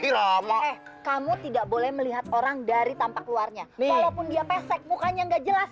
eh kamu tidak boleh melihat orang dari tampak luarnya walaupun dia pesek mukanya nggak jelas